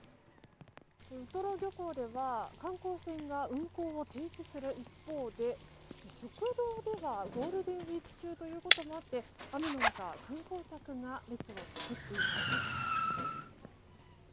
ウトロ漁港では観光船が運航を停止する一方で食堂ではゴールデンウィーク中ということもあって雨の中、観光客が列を作っています。